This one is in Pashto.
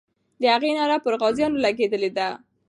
د هغې ناره پر غازیانو لګېدلې ده.